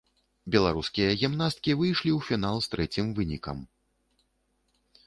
Беларускія гімнасткі выйшлі ў фінал з трэцім вынікам.